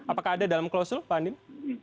apakah ada dalam klausul pak andin